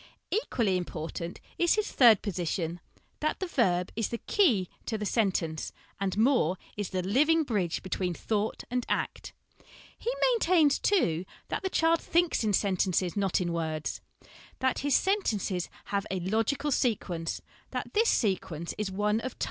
Equally important is his third position, that the verb is the key to the sen tence, and more, is the living bridge between thought and act He maintains, too, that the child thinks in sentences, not in words ; that his sentences have a logical sequence; that this sequence is one of time 1 See Appendix A.